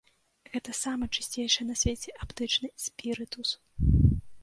Гэта самы чысцейшы на свеце аптэчны спірытус!